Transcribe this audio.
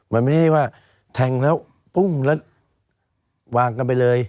มันไม่ได้ว่าแทงแล้วปุ้มแล้ววางกันไปเลย